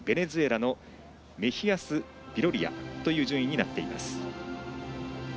メヒアスビロリアという順位になっています。